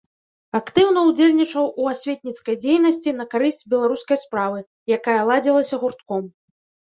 Актыўна ўдзельнічаў у асветніцкай дзейнасці на карысць беларускай справы, якая ладзілася гуртком.